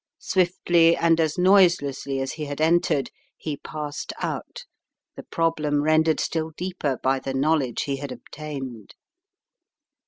Swiftly and as noiselessly as he had entered, he passed out, the problem rendered still deeper by the knowledge he had obtained.